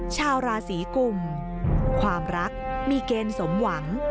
ชาวราศีกุมความรักมีเกณฑ์สมหวัง